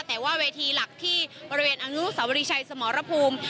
แต่ว่าเวทีหลักที่บริเวณอนุสาวรีชัยสมรภูมิ